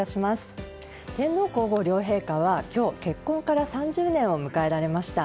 天皇・皇后両陛下は今日、結婚から３０年を迎えられました。